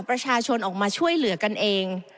ประชาชนออกมาช่วยเหลือกันเอง